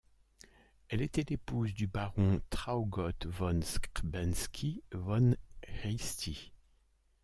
Elle était l'épouse du baron Traugott von Skrbensky von Hristie.